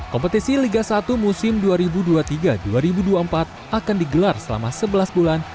kompetisi liga satu musim dua ribu dua puluh tiga dua ribu dua puluh empat akan digelar selama sebelas bulan